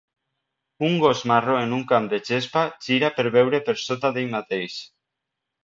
un gos marró en un camp de gespa gira per veure per sota d'ell mateix.